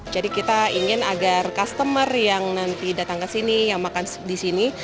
jadi kita ingin agar customer yang nanti datang ke sini yang makan di sini